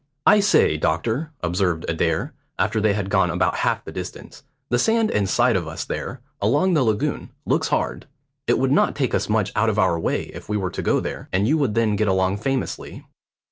"I say, doctor," observed Adair, after they had gone about half the distance, "the sand inside of us there, along the lagoon, looks hard. It would not take us much out of our way if we were to go there, and you would then get along famously."